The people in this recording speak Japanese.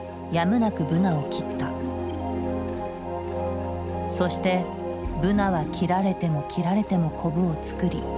そしてブナは切られても切られてもコブを作り生き続けた。